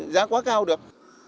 giá quá cao được